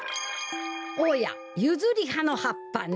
おやユズリハのはっぱね。